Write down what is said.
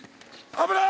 危ない！